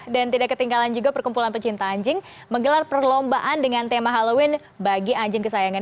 dan tidak ketinggalan juga perkumpulan pecinta anjing menggelar perlombaan dengan tema halloween bagi anjing kesayangan